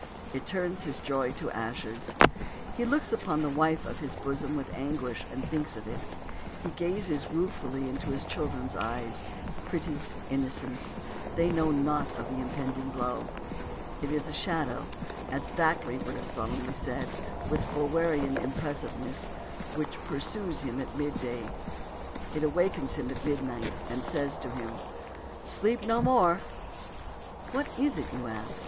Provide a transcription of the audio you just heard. It turns his joy to ashes. He looks upon the wife of his bosom with anguish as he thinks of it. He gazes ruefully into his children's eyes; pretty innocents, they know naught of the impending blow. It is a Shadow, as Thackeray would have solemnly said, with Bulwerian impressiveness, which Pursues Him at Mid Day. It Awakens Him at Mid Night, and Says to Him, Sleep No More! What is it, do you ask?